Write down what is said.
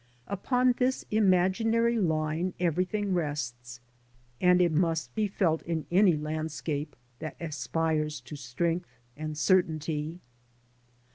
Upon this imaginary line everything rests, and it must be felt in any landscape that aspires to strength and certainty.